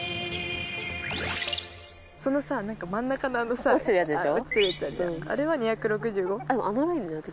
そのさなんか真ん中のあのさ。